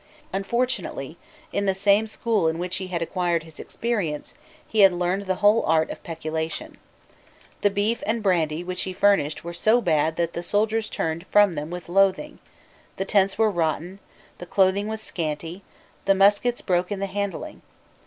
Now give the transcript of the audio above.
Unfortunately, in the same school in which he had acquired his experience, he had learned the whole art of peculation. The beef and brandy which he furnished were so bad that the soldiers turned from them with loathing: the tents were rotten: the clothing was scanty: the muskets broke in the handling.